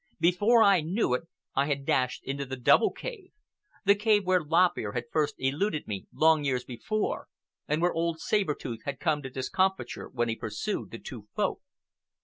Before I knew it I had dashed into the double cave,—the cave where Lop Ear had first eluded me long years before, and where old Saber Tooth had come to discomfiture when he pursued the two Folk.